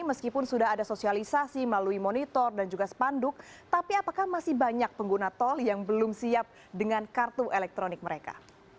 meskipun sudah ada sosialisasi melalui monitor dan juga spanduk tapi apakah masih banyak pengguna tol yang belum siap dengan kartu elektronik mereka